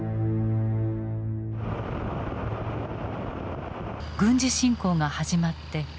軍事侵攻が始まって１年。